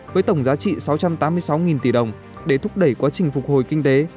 với tổng giá trị sáu trăm tám mươi sáu tỷ đồng để thúc đẩy quá trình phục hồi kinh tế